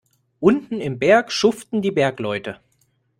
Unten im Berg schuften die Bergleute.